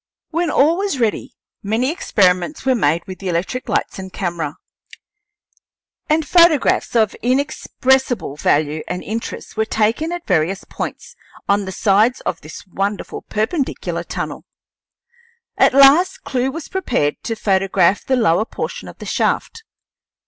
When all was ready many experiments were made with the electric lights and camera, and photographs of inexpressible value and interest were taken at various points on the sides of this wonderful perpendicular tunnel. At last Clewe was prepared to photograph the lower portion of the shaft.